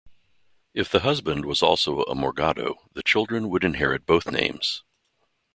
If the husband was also a morgado, the children would inherit both names.